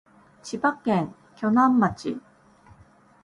千葉県鋸南町